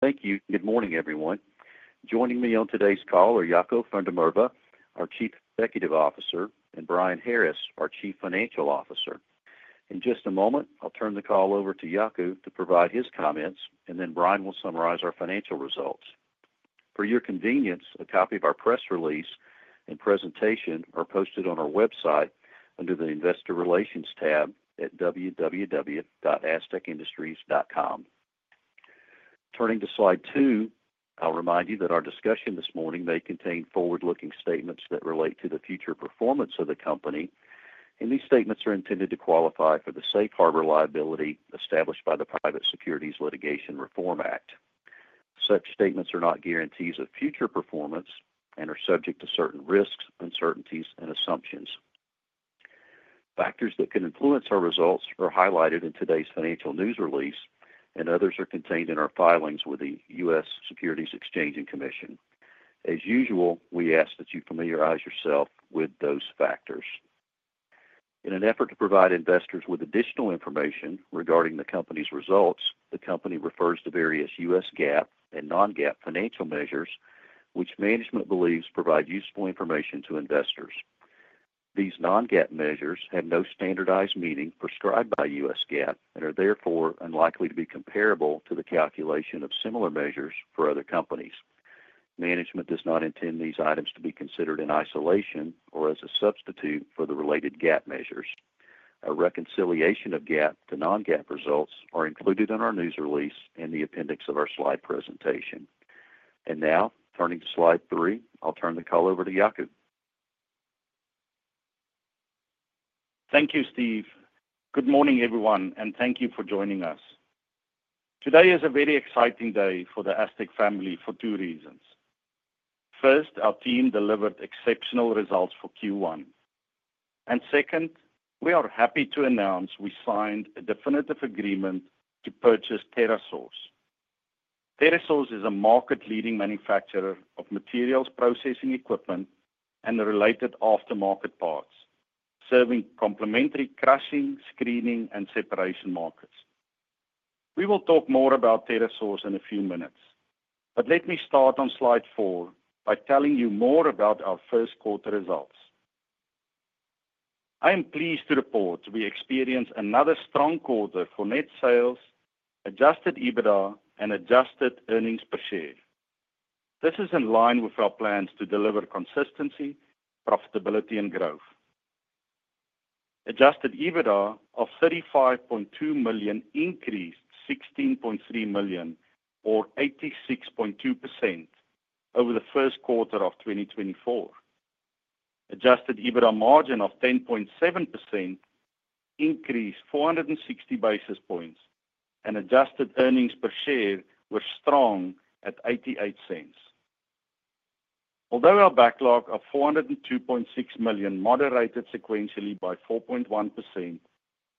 Thank you. Good morning, everyone. Joining me on today's call are Jaco van der Merwe, our Chief Executive Officer, and Brian Harris, our Chief Financial Officer. In just a moment, I'll turn the call over to Jaco to provide his comments, and then Brian will summarize our financial results. For your convenience, a copy of our press release and presentation are posted on our website under the Investor Relations tab at www.astecindustries.com. Turning to Slide 2, I'll remind you that our discussion this morning may contain forward-looking statements that relate to the future performance of the company. These statements are intended to qualify for the safe harbor liability established by the Private Securities Litigation Reform Act. Such statements are not guarantees of future performance and are subject to certain risks, uncertainties, and assumptions. Factors that can influence our results are highlighted in today's financial news release, and others are contained in our filings with the U.S. Securities and Exchange Commission. As usual, we ask that you familiarize yourself with those factors. In an effort to provide investors with additional information regarding the company's results, the company refers to various U.S. GAAP and non-GAAP financial measures, which management believes provide useful information to investors. These non-GAAP measures have no standardized meaning prescribed by U.S. GAAP and are therefore unlikely to be comparable to the calculation of similar measures for other companies. Management does not intend these items to be considered in isolation or as a substitute for the related GAAP measures. A reconciliation of GAAP to non-GAAP results is included in our news release and the appendix of our slide presentation. Now, turning to Slide 3, I'll turn the call over to Jaco. Thank you, Steve. Good morning, everyone, and thank you for joining us. Today is a very exciting day for the Astec family for two reasons. First, our team delivered exceptional results for Q1. Second, we are happy to announce we signed a definitive agreement to purchase TerraSource. TerraSource is a market-leading manufacturer of materials processing equipment and related aftermarket parts, serving complementary crushing, screening, and separation markets. We will talk more about TerraSource in a few minutes. Let me start on Slide 4 by telling you more about our Q1 results. I am pleased to report we experienced another strong quarter for net sales, adjusted EBITDA, and adjusted earnings per share. This is in line with our plans to deliver consistency, profitability, and growth. Adjusted EBITDA of $35.2 million increased $16.3 million, or 86.2%, over the Q1 of 2024. Adjusted EBITDA margin of 10.7% increased 460 basis points, and adjusted earnings per share were strong at $0.88. Although our backlog of $402.6 million moderated sequentially by 4.1%,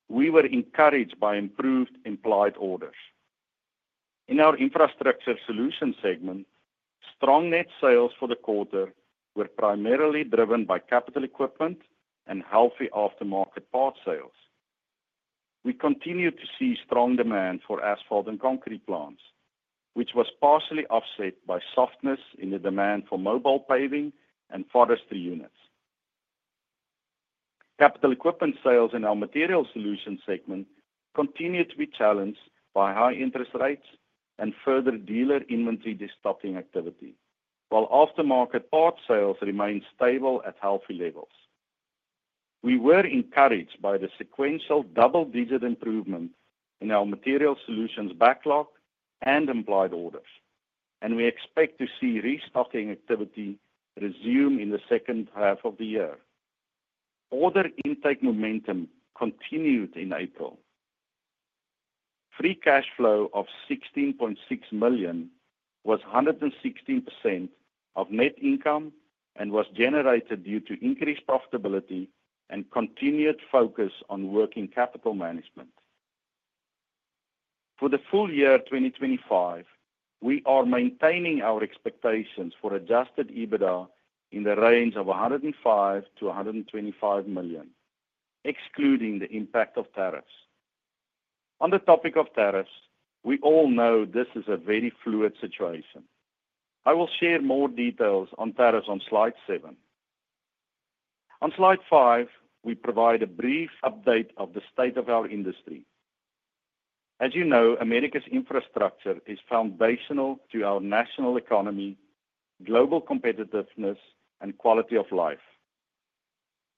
we were encouraged by improved implied orders. In our infrastructure solutions segment, strong net sales for the quarter were primarily driven by capital equipment and healthy aftermarket part sales. We continue to see strong demand for asphalt and concrete plants, which was partially offset by softness in the demand for mobile paving and forestry units. Capital equipment sales in our materials solutions segment continued to be challenged by high interest rates and further dealer inventory destocking activity, while aftermarket part sales remained stable at healthy levels. We were encouraged by the sequential double-digit improvement in our materials solutions backlog and implied orders, and we expect to see restocking activity resume in the second half of the year. Order intake momentum continued in April. Free cash flow of $16.6 million was 116% of net income and was generated due to increased profitability and continued focus on working capital management. For the full year 2025, we are maintaining our expectations for adjusted EBITDA in the range of $105 million-$125 million, excluding the impact of tariffs. On the topic of tariffs, we all know this is a very fluid situation. I will share more details on tariffs on Slide 7. On Slide 5, we provide a brief update of the state of our industry. As you know, America's infrastructure is foundational to our national economy, global competitiveness, and quality of life.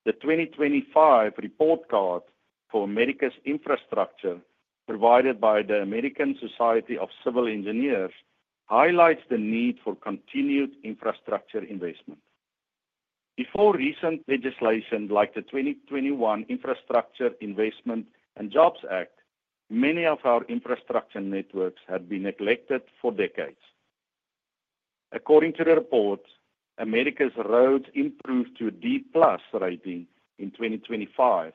The 2025 report card for America's infrastructure provided by the American Society of Civil Engineers highlights the need for continued infrastructure investment. Before recent legislation like the 2021 Infrastructure Investment and Jobs Act, many of our infrastructure networks had been neglected for decades. According to the report, America's roads improved to a D+ rating in 2025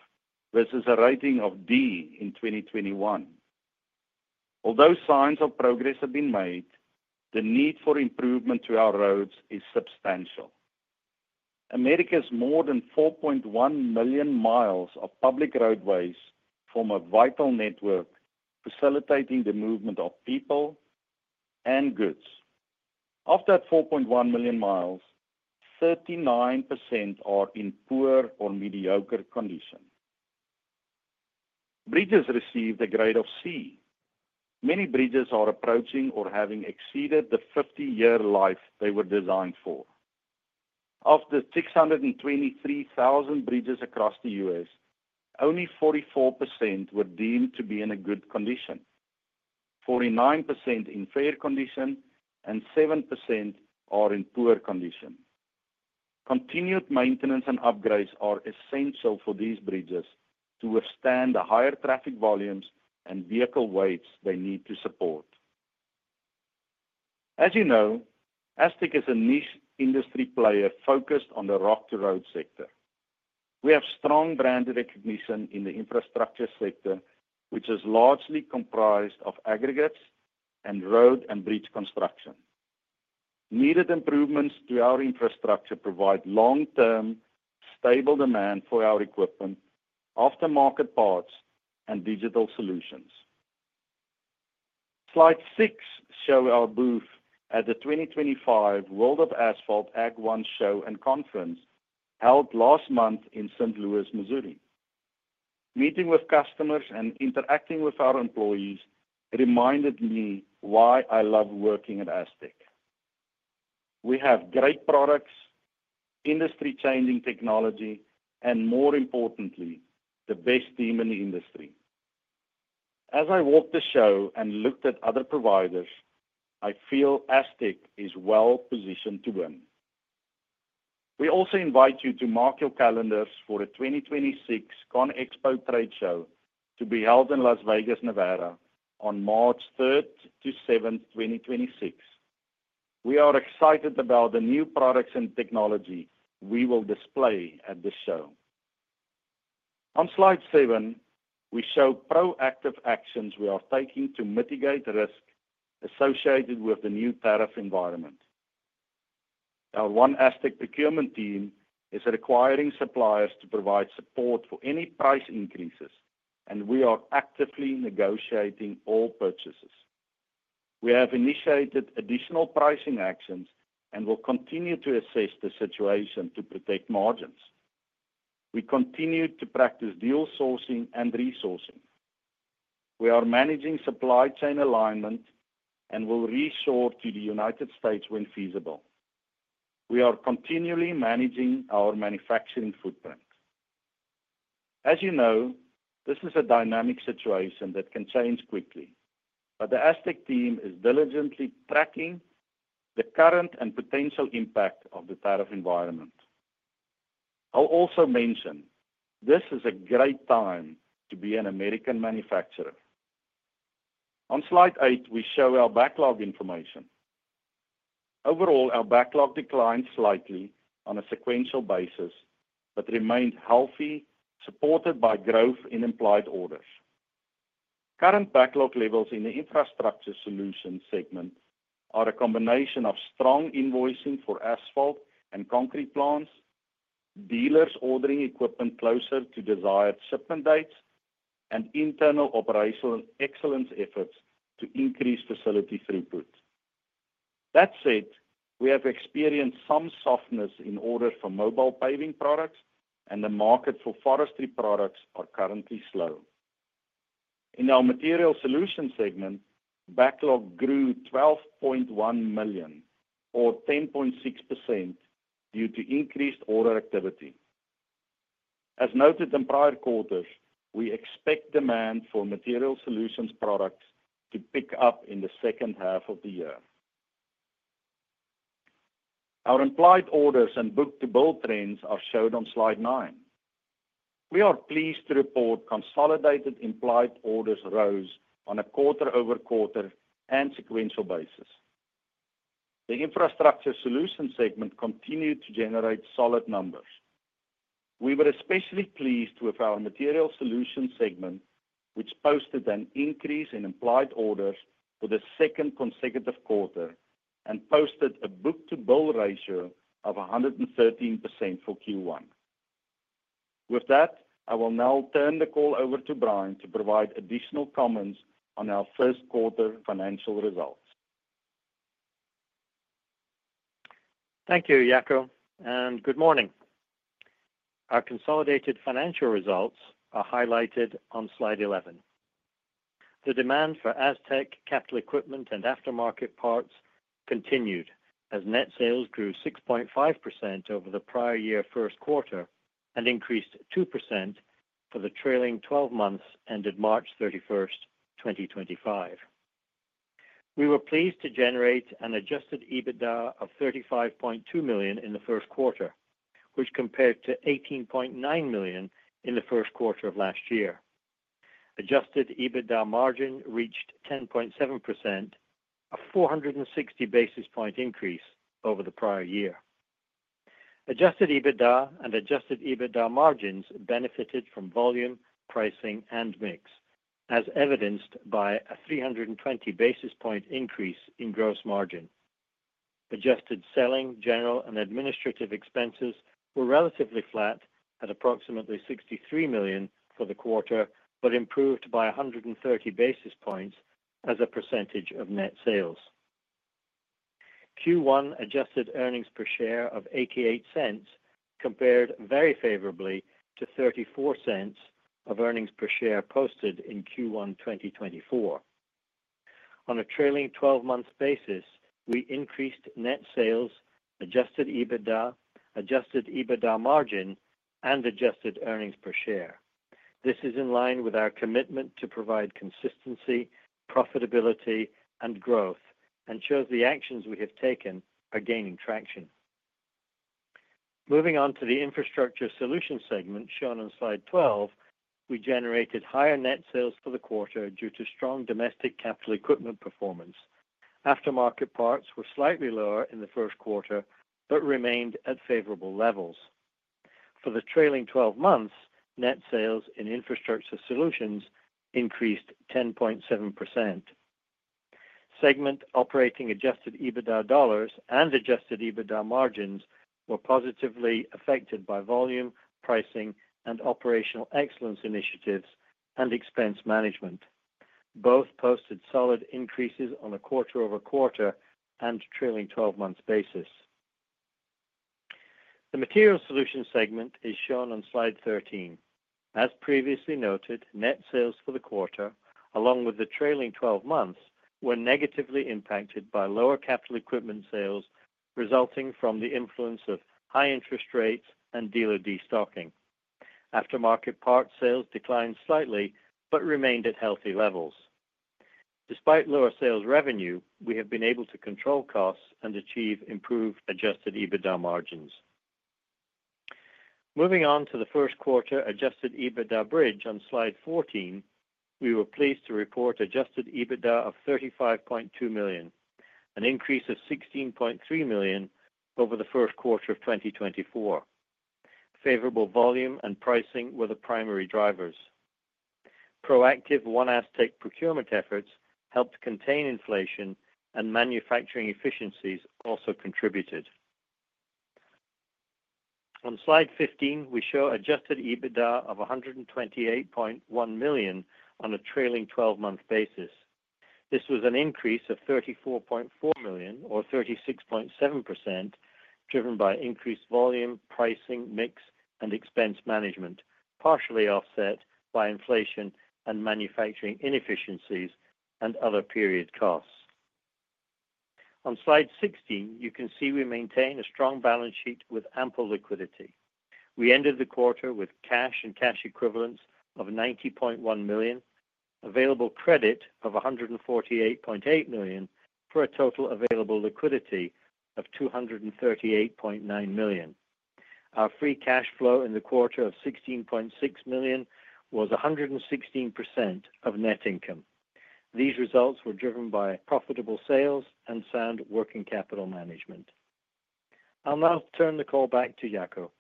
versus a rating of D in 2021. Although signs of progress have been made, the need for improvement to our roads is substantial. America's more than 4.1 million miles of public roadways form a vital network facilitating the movement of people and goods. Of that 4.1 million miles, 39% are in poor or mediocre condition. Bridges received a grade of C. Many bridges are approaching or having exceeded the 50-year life they were designed for. Of the 623,000 bridges across the U.S., only 44% were deemed to be in good condition, 49% in fair condition, and 7% are in poor condition. Continued maintenance and upgrades are essential for these bridges to withstand the higher traffic volumes and vehicle weights they need to support. As you know, Astec is a niche industry player focused on the rock-to-road sector. We have strong brand recognition in the infrastructure sector, which is largely comprised of aggregates and road and bridge construction. Needed improvements to our infrastructure provide long-term stable demand for our equipment, aftermarket parts, and digital solutions. Slide 6 shows our booth at the 2025 World of Asphalt AGG1 Show and Conference held last month in St. Louis, Missouri. Meeting with customers and interacting with our employees reminded me why I love working at Astec. We have great products, industry-changing technology, and, more importantly, the best team in the industry. As I walked the show and looked at other providers, I feel Astec is well-positioned to win. We also invite you to mark your calendars for the 2026 ConExpo Trade Show to be held in Las Vegas, Nevada, on March 3rd to 7th, 2026. We are excited about the new products and technology we will display at this show. On Slide 7, we show proactive actions we are taking to mitigate risk associated with the new tariff environment. Our OneAstec procurement team is requiring suppliers to provide support for any price increases, and we are actively negotiating all purchases. We have initiated additional pricing actions and will continue to assess the situation to protect margins. We continue to practice deal sourcing and resourcing. We are managing supply chain alignment and will reshore to the United States when feasible. We are continually managing our manufacturing footprint. As you know, this is a dynamic situation that can change quickly, but the Astec team is diligently tracking the current and potential impact of the tariff environment. I'll also mention this is a great time to be an American manufacturer. On Slide 8, we show our backlog information. Overall, our backlog declined slightly on a sequential basis but remained healthy, supported by growth in implied orders. Current backlog levels in the infrastructure solution segment are a combination of strong invoicing for asphalt and concrete plants, dealers ordering equipment closer to desired shipment dates, and internal operational excellence efforts to increase facility throughput. That said, we have experienced some softness in orders for mobile paving products, and the market for forestry products is currently slow. In our materials solution segment, backlog grew $12.1 million, or 10.6%, due to increased order activity. As noted in prior quarters, we expect demand for materials solutions products to pick up in the second half of the year. Our implied orders and book-to-build trends are shown on Slide 9. We are pleased to report consolidated implied orders rose on a quarter-over-quarter and sequential basis. The infrastructure solutions segment continued to generate solid numbers. We were especially pleased with our materials solutions segment, which posted an increase in implied orders for the second consecutive quarter and posted a book-to-build ratio of 113% for Q1. With that, I will now turn the call over to Brian to provide additional comments on our Q1 financial results. Thank you, Jaco, and good morning. Our consolidated financial results are highlighted on Slide 11. The demand for Astec capital equipment and aftermarket parts continued as net sales grew 6.5% over the prior year Q1 and increased 2% for the trailing 12 months ended March 31, 2025. We were pleased to generate an adjusted EBITDA of $35.2 million in the Q1, which compared to $18.9 million in the Q1 of last year. Adjusted EBITDA margin reached 10.7%, a 460 basis point increase over the prior year. Adjusted EBITDA and adjusted EBITDA margins benefited from volume, pricing, and mix, as evidenced by a 320 basis point increase in gross margin. Adjusted selling, general, and administrative expenses were relatively flat at approximately $63 million for the quarter but improved by 130 basis points as a percentage of net sales. Q1 adjusted earnings per share of $0.88 compared very favorably to $0.34 of earnings per share posted in Q1 2024. On a trailing 12-month basis, we increased net sales, adjusted EBITDA, adjusted EBITDA margin, and adjusted earnings per share. This is in line with our commitment to provide consistency, profitability, and growth and shows the actions we have taken are gaining traction. Moving on to the infrastructure solution segment shown on Slide 12, we generated higher net sales for the quarter due to strong domestic capital equipment performance. Aftermarket parts were slightly lower in the Q1 but remained at favorable levels. For the trailing 12 months, net sales in infrastructure solutions increased 10.7%. Segment operating adjusted EBITDA dollars and adjusted EBITDA margins were positively affected by volume, pricing, and operational excellence initiatives and expense management. Both posted solid increases on a quarter-over-quarter and trailing 12-month basis. The materials solution segment is shown on Slide 13. As previously noted, net sales for the quarter, along with the trailing 12 months, were negatively impacted by lower capital equipment sales resulting from the influence of high interest rates and dealer destocking. Aftermarket part sales declined slightly but remained at healthy levels. Despite lower sales revenue, we have been able to control costs and achieve improved adjusted EBITDA margins. Moving on to the Q1 adjusted EBITDA bridge on Slide 14, we were pleased to report adjusted EBITDA of $35.2 million, an increase of $16.3 million over the Q1 of 2024. Favorable volume and pricing were the primary drivers. Proactive OneAstec procurement efforts helped contain inflation, and manufacturing efficiencies also contributed. On Slide 15, we show adjusted EBITDA of $128.1 million on a trailing 12-month basis. This was an increase of $34.4 million, or 36.7%, driven by increased volume, pricing, mix, and expense management, partially offset by inflation and manufacturing inefficiencies and other period costs. On Slide 16, you can see we maintain a strong balance sheet with ample liquidity. We ended the quarter with cash and cash equivalents of $90.1 million, available credit of $148.8 million, for a total available liquidity of $238.9 million. Our free cash flow in the quarter of $16.6 million was 116% of net income. These results were driven by profitable sales and sound working capital management. I'll now turn the call back to Jaco.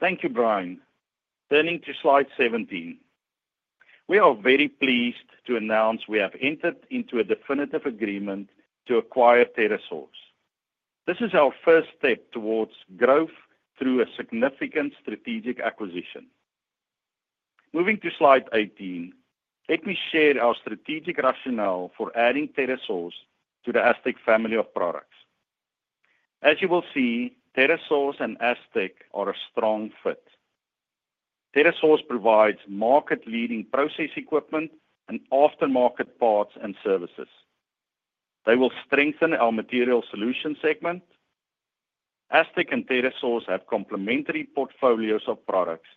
Thank you, Brian. Turning to Slide 17, we are very pleased to announce we have entered into a definitive agreement to acquire TerraSource. This is our first step towards growth through a significant strategic acquisition. Moving to Slide 18, let me share our strategic rationale for adding TerraSource to the Astec family of products. As you will see, TerraSource and Astec are a strong fit. TerraSource provides market-leading process equipment and aftermarket parts and services. They will strengthen our materials solution segment. Astec and TerraSource have complementary portfolios of products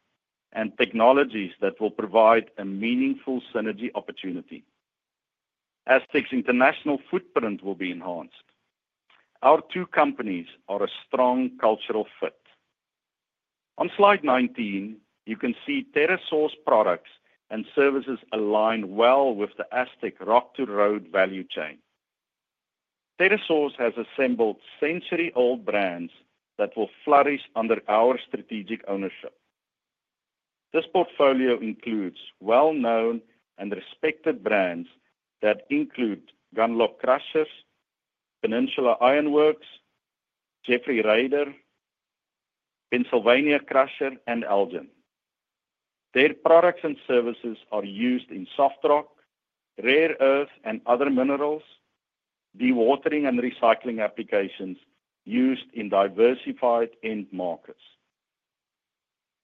and technologies that will provide a meaningful synergy opportunity. Astec's international footprint will be enhanced. Our two companies are a strong cultural fit. On Slide 19, you can see TerraSource products and services align well with the Astec rock-to-road value chain. TerraSource has assembled century-old brands that will flourish under our strategic ownership. This portfolio includes well-known and respected brands that include Gundlach Crushers, Peninsula Iron Works, Jeffrey Rader, Pennsylvania Crusher, and Elgin. Their products and services are used in soft rock, rare earth, and other minerals, dewatering and recycling applications used in diversified end markets.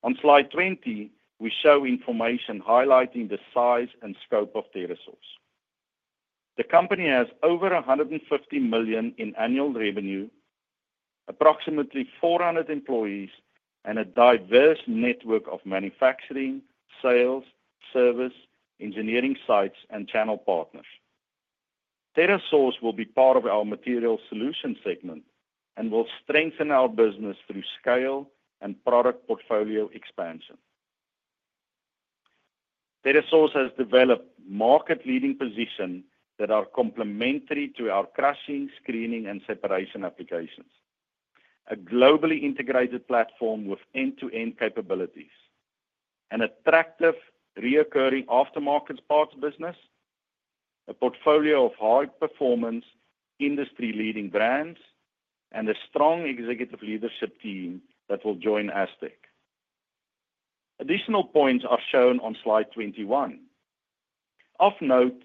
On Slide 20, we show information highlighting the size and scope of TerraSource. The company has over $150 million in annual revenue, approximately 400 employees, and a diverse network of manufacturing, sales, service, engineering sites, and channel partners. TerraSource will be part of our materials solution segment and will strengthen our business through scale and product portfolio expansion. TerraSource has developed market-leading positions that are complementary to our crushing, screening, and separation applications, a globally integrated platform with end-to-end capabilities, an attractive recurring aftermarket parts business, a portfolio of high-performance industry-leading brands, and a strong executive leadership team that will join Astec. Additional points are shown on Slide 21. Of note,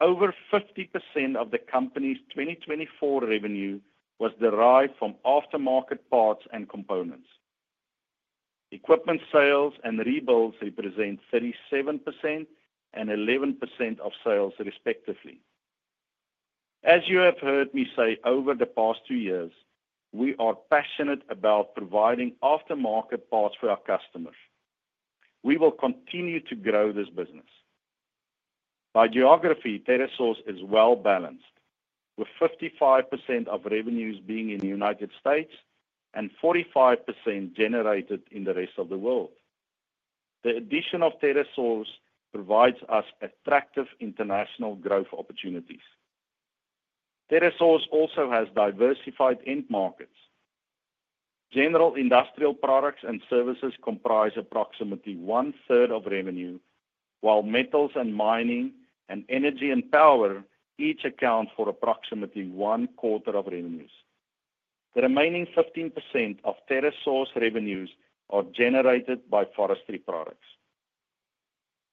over 50% of the company's 2024 revenue was derived from aftermarket parts and components. Equipment sales and rebuilds represent 37% and 11% of sales, respectively. As you have heard me say over the past two years, we are passionate about providing aftermarket parts for our customers. We will continue to grow this business. By geography, TerraSource is well balanced, with 55% of revenues being in the United States and 45% generated in the rest of the world. The addition of TerraSource provides us attractive international growth opportunities. TerraSource also has diversified end markets. General industrial products and services comprise approximately one-third of revenue, while metals and mining and energy and power each account for approximately one-quarter of revenues. The remaining 15% of TerraSource revenues are generated by forestry products.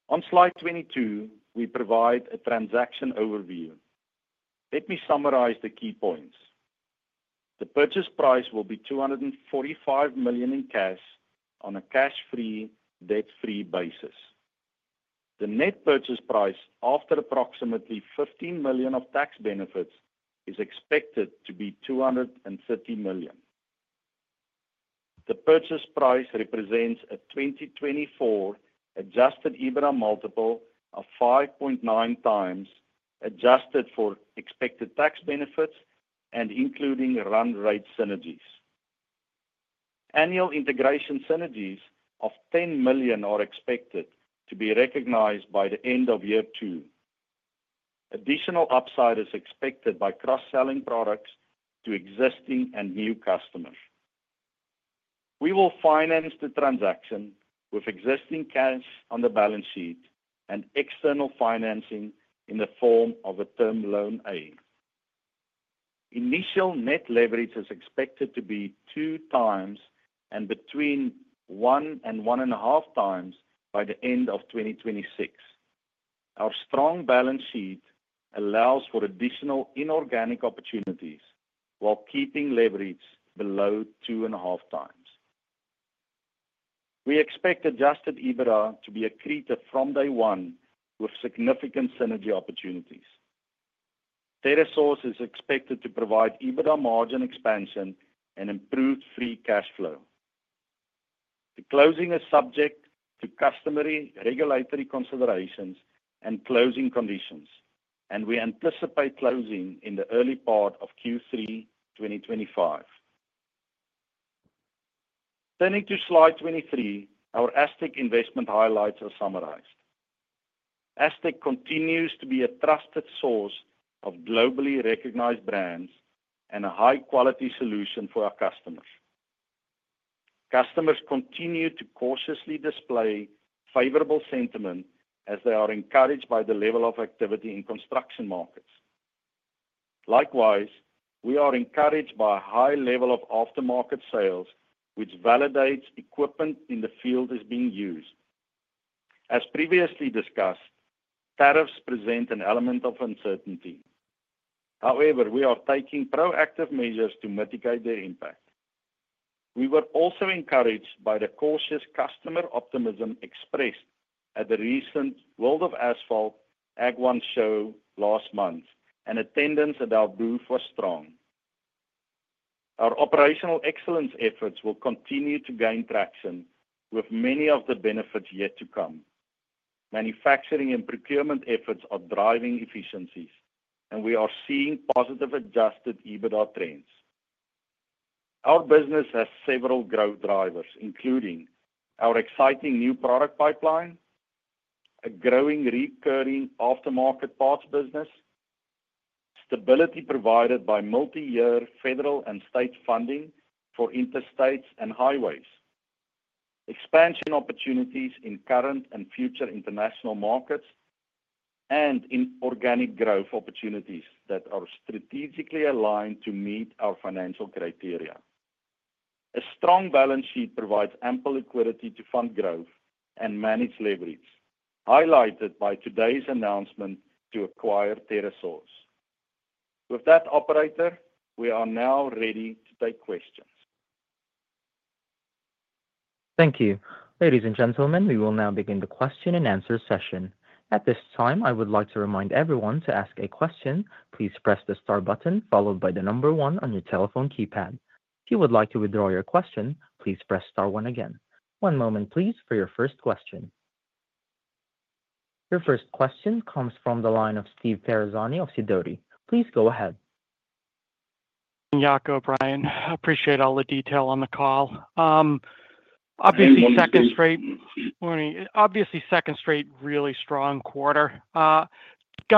On Slide 22, we provide a transaction overview. Let me summarize the key points. The purchase price will be $245 million in cash on a cash-free, debt-free basis. The net purchase price after approximately $15 million of tax benefits is expected to be $230 million. The purchase price represents a 2024 adjusted EBITDA multiple of 5.9 times adjusted for expected tax benefits and including run rate synergies. Annual integration synergies of $10 million are expected to be recognized by the end of year two. Additional upside is expected by cross-selling products to existing and new customers. We will finance the transaction with existing cash on the balance sheet and external financing in the form of a term loan aid. Initial net leverage is expected to be two times and between one and one-and-a-half times by the end of 2026. Our strong balance sheet allows for additional inorganic opportunities while keeping leverage below two and a half times. We expect adjusted EBITDA to be accretive from day one with significant synergy opportunities. TerraSource is expected to provide EBITDA margin expansion and improved free cash flow. The closing is subject to customary regulatory considerations and closing conditions, and we anticipate closing in the early part of Q3 2025. Turning to Slide 23, our Astec investment highlights are summarized. Astec continues to be a trusted source of globally recognized brands and a high-quality solution for our customers. Customers continue to cautiously display favorable sentiment as they are encouraged by the level of activity in construction markets. Likewise, we are encouraged by a high level of aftermarket sales, which validates equipment in the field is being used. As previously discussed, tariffs present an element of uncertainty. However, we are taking proactive measures to mitigate their impact. We were also encouraged by the cautious customer optimism expressed at the recent World of Asphalt AG1 Show last month, and attendance at our booth was strong. Our operational excellence efforts will continue to gain traction with many of the benefits yet to come. Manufacturing and procurement efforts are driving efficiencies, and we are seeing positive adjusted EBITDA trends. Our business has several growth drivers, including our exciting new product pipeline, a growing recurring aftermarket parts business, stability provided by multi-year federal and state funding for interstates and highways, expansion opportunities in current and future international markets, and inorganic growth opportunities that are strategically aligned to meet our financial criteria. A strong balance sheet provides ample liquidity to fund growth and manage leverage, highlighted by today's announcement to acquire TerraSource. With that, operator, we are now ready to take questions. Thank you. Ladies and gentlemen, we will now begin the question and answer session. At this time, I would like to remind everyone to ask a question. Please press the star button followed by the number one on your telephone keypad. If you would like to withdraw your question, please press star one again. One moment, please, for your first question. Your first question comes from the line of Steve Ferazani of Sidoti. Please go ahead. Jaco, Brian, appreciate all the detail on the call. Obviously, second straight really strong quarter. Got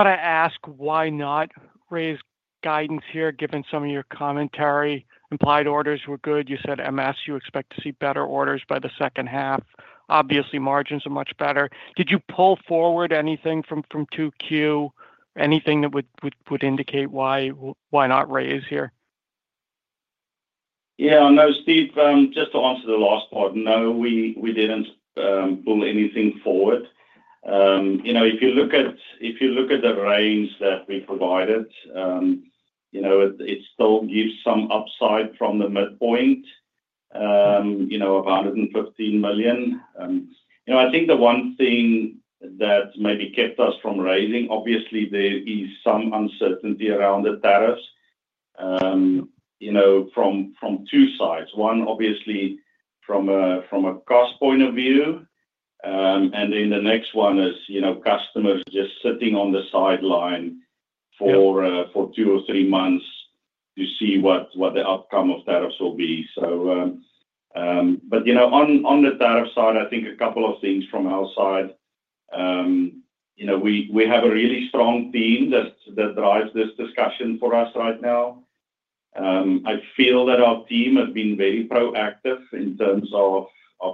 to ask, why not raise guidance here given some of your commentary? Implied orders were good. You said MS, you expect to see better orders by the second half. Obviously, margins are much better. Did you pull forward anything from 2Q? Anything that would indicate why not raise here? Yeah. No, Steve, just to answer the last part, no, we didn't pull anything forward. If you look at the range that we provided, it still gives some upside from the midpoint, about $115 million. I think the one thing that maybe kept us from raising, obviously, there is some uncertainty around the tariffs from two sides. One, obviously, from a cost point of view. The next one is customers just sitting on the sideline for two or three months to see what the outcome of tariffs will be. On the tariff side, I think a couple of things from our side. We have a really strong team that drives this discussion for us right now. I feel that our team has been very proactive in terms of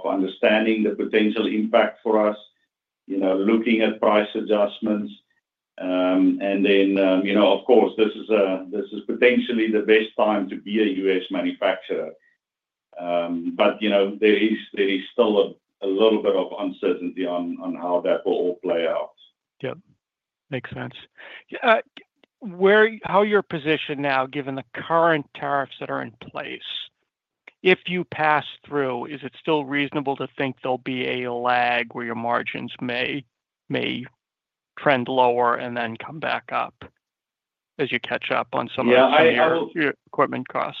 understanding the potential impact for us, looking at price adjustments. Of course, this is potentially the best time to be a US manufacturer. But there is still a little bit of uncertainty on how that will all play out. Yep. Makes sense. How you're positioned now, given the current tariffs that are in place, if you pass through, is it still reasonable to think there'll be a lag where your margins may trend lower and then come back up as you catch up on some of the equipment costs?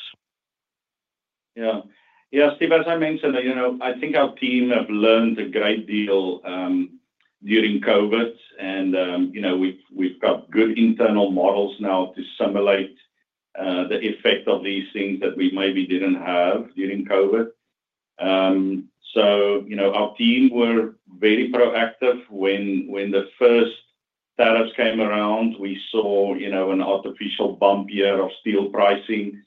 Yeah. Yeah, Steve, as I mentioned, I think our team have learned a great deal during COVID, and we've got good internal models now to simulate the effect of these things that we maybe didn't have during COVID. Our team were very proactive. When the first tariffs came around, we saw an artificial bump here of steel pricing,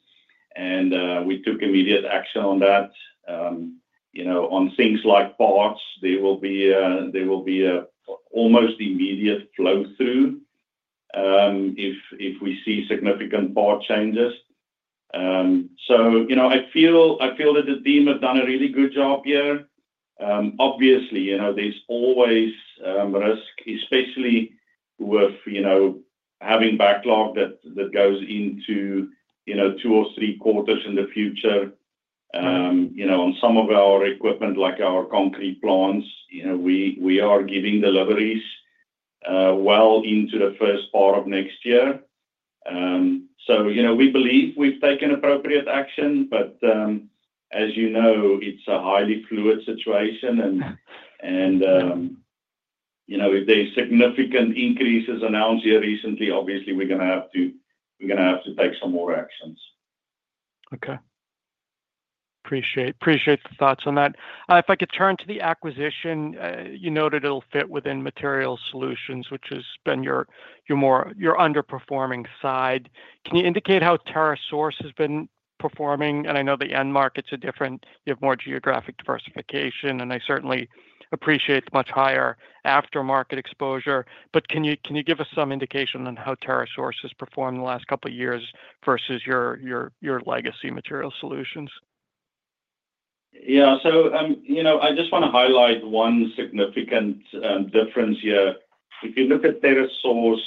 and we took immediate action on that. On things like parts, there will be almost immediate flow-through if we see significant part changes. I feel that the team has done a really good job here. Obviously, there's always risk, especially with having backlog that goes into two or three quarters in the future. On some of our equipment, like our concrete plants, we are giving deliveries well into the first part of next year. We believe we've taken appropriate action, but as you know, it's a highly fluid situation. If there's significant increases announced here recently, obviously, we're going to have to take some more actions. Okay. Appreciate the thoughts on that. If I could turn to the acquisition, you noted it'll fit within Material Solutions, which has been your underperforming side. Can you indicate how TerraSource has been performing? I know the end markets are different. You have more geographic diversification, and I certainly appreciate much higher aftermarket exposure. Can you give us some indication on how TerraSource has performed in the last couple of years versus your legacy Material Solutions? Yeah. I just want to highlight one significant difference here. If you look at TerraSource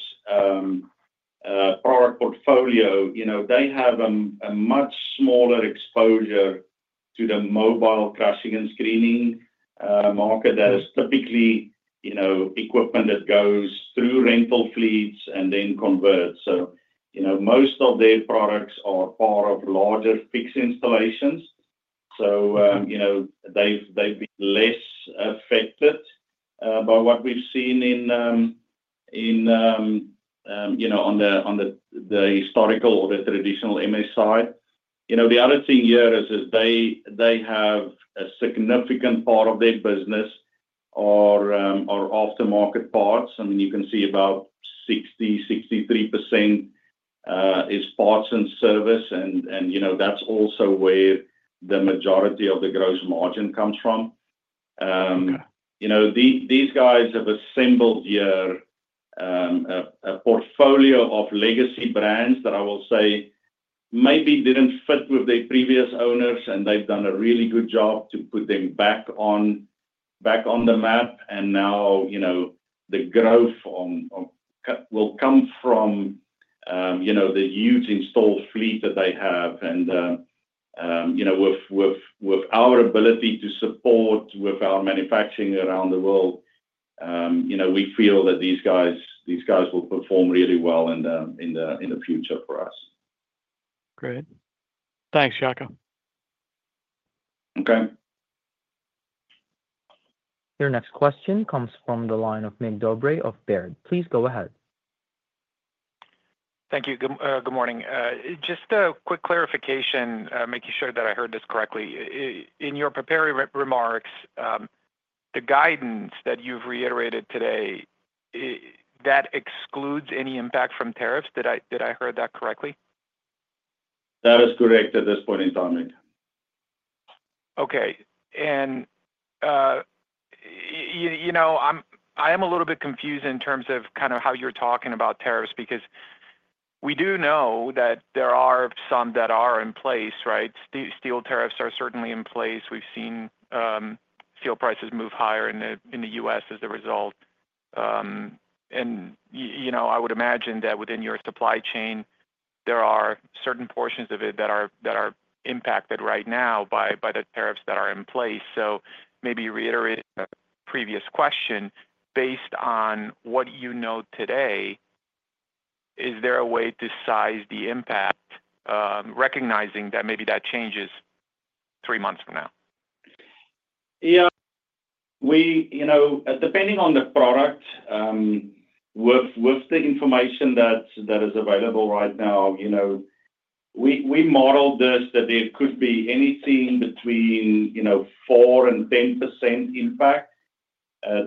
product portfolio, they have a much smaller exposure to the mobile crushing and screening market. That is typically equipment that goes through rental fleets and then converts. Most of their products are part of larger fixed installations. They have been less affected by what we've seen on the historical or the traditional MS side. The other thing here is they have a significant part of their business are aftermarket parts. I mean, you can see about 60-63% is parts and service, and that's also where the majority of the gross margin comes from. These guys have assembled here a portfolio of legacy brands that I will say maybe did not fit with their previous owners, and they've done a really good job to put them back on the map. The growth will come from the huge install fleet that they have. With our ability to support with our manufacturing around the world, we feel that these guys will perform really well in the future for us. Great. Thanks, Jaco. Okay. Your next question comes from the line of Mig Dobre of Baird. Please go ahead. Thank you. Good morning. Just a quick clarification, making sure that I heard this correctly. In your prepared remarks, the guidance that you've reiterated today, that excludes any impact from tariffs. Did I hear that correctly? That is correct at this point in time, Mig. Okay. I am a little bit confused in terms of kind of how you're talking about tariffs because we do know that there are some that are in place, right? Steel tariffs are certainly in place. We've seen steel prices move higher in the U.S. as a result. I would imagine that within your supply chain, there are certain portions of it that are impacted right now by the tariffs that are in place. Maybe reiterating the previous question, based on what you know today, is there a way to size the impact, recognizing that maybe that changes three months from now? Yeah. Depending on the product, with the information that is available right now, we modeled this that there could be anything between 4% and 10% impact,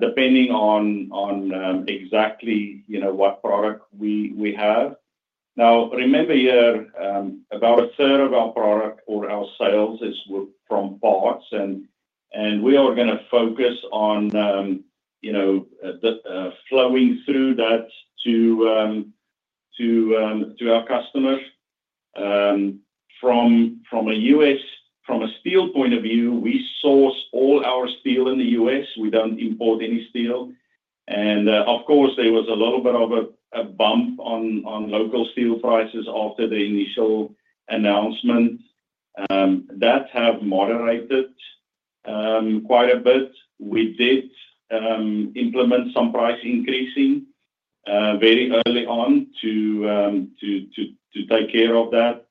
depending on exactly what product we have. Now, remember here, about a third of our product or our sales is from parts, and we are going to focus on flowing through that to our customers. From a steel point of view, we source all our steel in the U.S. We do not import any steel. Of course, there was a little bit of a bump on local steel prices after the initial announcement. That has moderated quite a bit. We did implement some price increasing very early on to take care of that.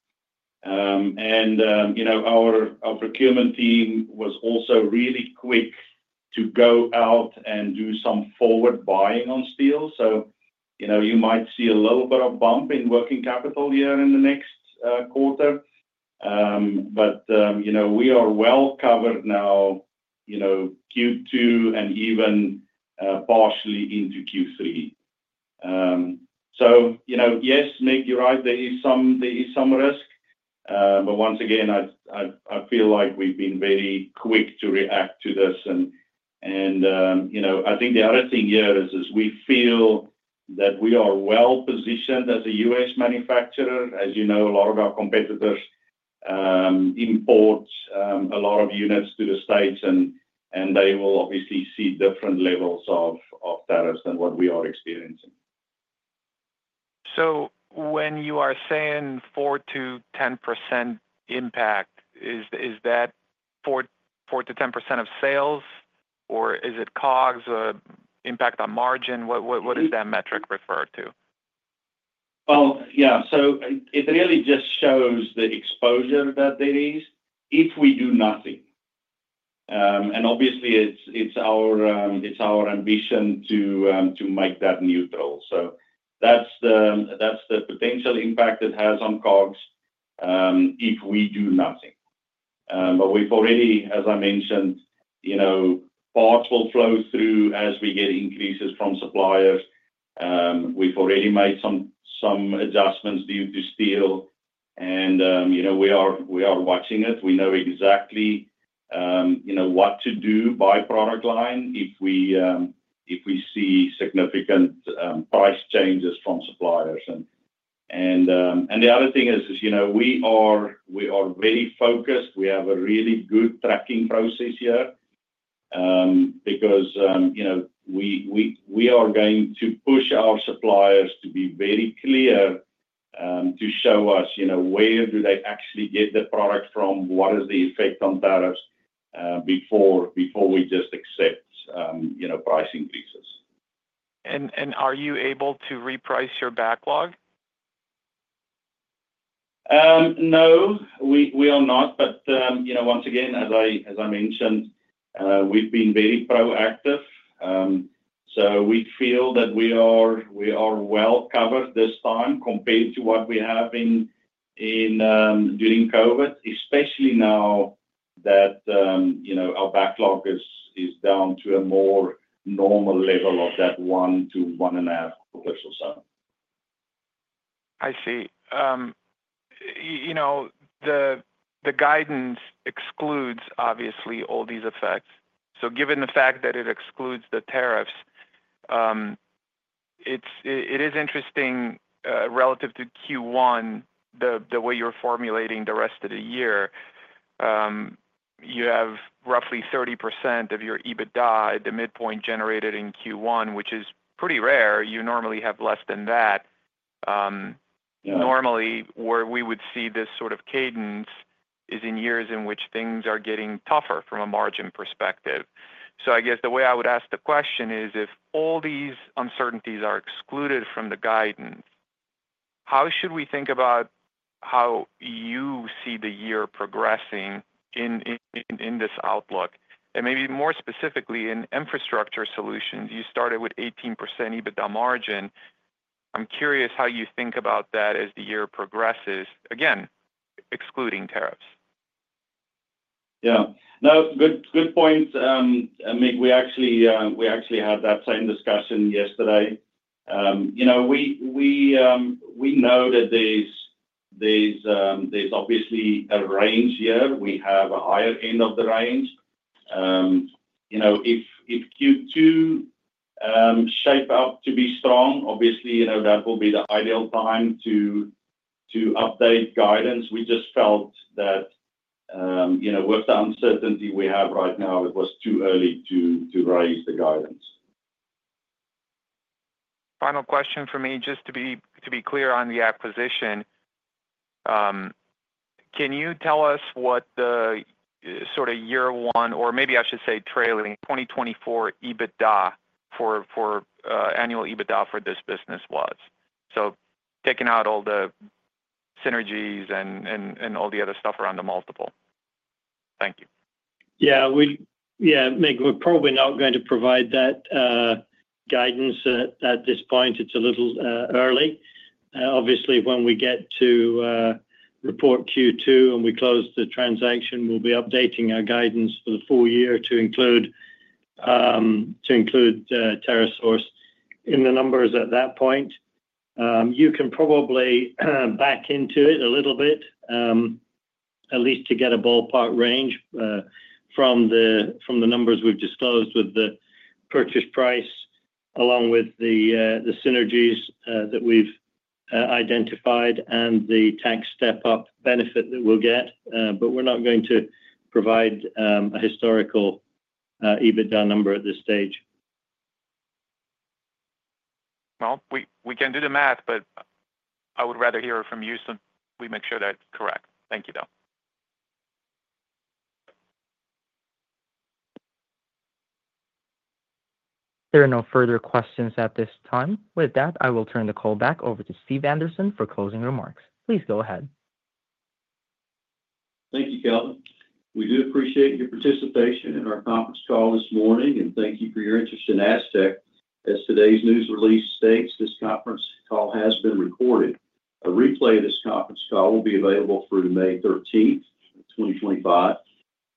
Our procurement team was also really quick to go out and do some forward buying on steel. You might see a little bit of bump in working capital here in the next quarter. We are well covered now, Q2 and even partially into Q3. Yes, Mig, you're right. There is some risk. Once again, I feel like we've been very quick to react to this. I think the other thing here is we feel that we are well positioned as a U.S. manufacturer. As you know, a lot of our competitors import a lot of units to the States, and they will obviously see different levels of tariffs than what we are experiencing. When you are saying 4-10% impact, is that 4-10% of sales, or is it COGS or impact on margin? What does that metric refer to? It really just shows the exposure that there is if we do nothing. Obviously, it's our ambition to make that neutral. That's the potential impact it has on COGS if we do nothing. We've already, as I mentioned, parts will flow through as we get increases from suppliers. We've already made some adjustments due to steel, and we are watching it. We know exactly what to do by product line if we see significant price changes from suppliers. The other thing is we are very focused. We have a really good tracking process here because we are going to push our suppliers to be very clear to show us where they actually get the product from, what is the effect on tariffs before we just accept price increases. Are you able to reprice your backlog? No, we are not. Once again, as I mentioned, we've been very proactive. We feel that we are well covered this time compared to what we had during COVID, especially now that our backlog is down to a more normal level of that one to one and a half quarters or so. I see. The guidance excludes, obviously, all these effects. Given the fact that it excludes the tariffs, it is interesting relative to Q1, the way you're formulating the rest of the year, you have roughly 30% of your EBITDA, the midpoint generated in Q1, which is pretty rare. You normally have less than that. Normally, where we would see this sort of cadence is in years in which things are getting tougher from a margin perspective. I guess the way I would ask the question is, if all these uncertainties are excluded from the guidance, how should we think about how you see the year progressing in this outlook? Maybe more specifically in Infrastructure Solutions, you started with 18% EBITDA margin. I'm curious how you think about that as the year progresses, again, excluding tariffs. Yeah. No, good point, Mig. We actually had that same discussion yesterday. We know that there's obviously a range here. We have a higher end of the range. If Q2 shapes up to be strong, obviously, that will be the ideal time to update guidance. We just felt that with the uncertainty we have right now, it was too early to raise the guidance. Final question for me, just to be clear on the acquisition. Can you tell us what the sort of year one, or maybe I should say trailing, 2024 EBITDA, annual EBITDA for this business was? Taking out all the synergies and all the other stuff around the multiple. Thank you. Yeah. Yeah, Mig, we're probably not going to provide that guidance at this point. It's a little early. Obviously, when we get to report Q2 and we close the transaction, we'll be updating our guidance for the full year to include TerraSource in the numbers at that point. You can probably back into it a little bit, at least to get a ballpark range from the numbers we've disclosed with the purchase price, along with the synergies that we've identified, and the tax step-up benefit that we'll get. We're not going to provide a historical EBITDA number at this stage. We can do the math, but I would rather hear it from you so we make sure that it's correct. Thank you, though. There are no further questions at this time. With that, I will turn the call back over to Steve Anderson for closing remarks. Please go ahead. Thank you, Kevin. We do appreciate your participation in our conference call this morning, and thank you for your interest in Astec. As today's news release states, this conference call has been recorded. A replay of this conference call will be available through May 13th, 2025,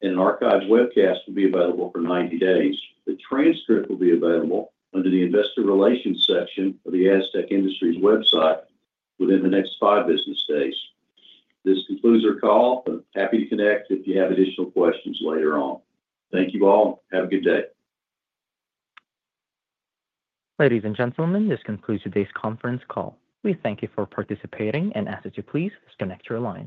and an archived webcast will be available for 90 days. The transcript will be available under the Investor Relations section of the Astec Industries website within the next five business days. This concludes our call. I'm happy to connect if you have additional questions later on. Thank you all. Have a good day. Ladies and gentlemen, this concludes today's conference call. We thank you for participating, and ask that you please disconnect your line.